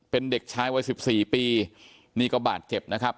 เป็นเด็กชายวัยสิบสี่ปีนี่ก็บาดเจ็บนะครับ